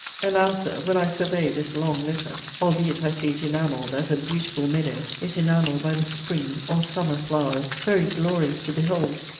And now, Sir, when I survey this long letter,* (albeit I see it enamelled, as a 'beautiful meadow' is enamelled by the 'spring' or 'summer' flowers, very glorious to behold!)